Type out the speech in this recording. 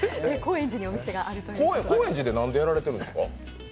高円寺でなんでやられてるんですか？